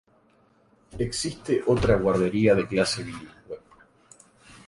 Existe otra guardería de clase bilingüe.